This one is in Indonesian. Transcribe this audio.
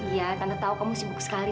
iya karena tahu kamu sibuk sekali